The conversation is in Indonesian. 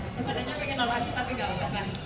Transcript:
sebenarnya saya ingin alasi tapi tidak usah kan